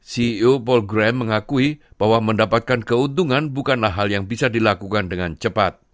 ceo paul graham mengakui bahwa mendapatkan keuntungan bukanlah hal yang bisa dilakukan dengan cepat